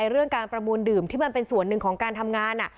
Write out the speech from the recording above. เรื่องการประมูลดื่มที่มันเป็นส่วนหนึ่งของการทำงาน